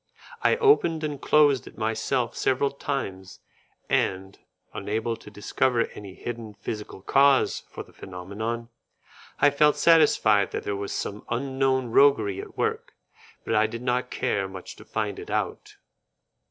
I opened and closed it myself several times, and, unable to discover any hidden physical cause for the phenomenon, I felt satisfied that there was some unknown roguery at work, but I did not care much to find it out.